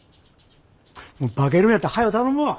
化けるんやったらはよ頼むわ。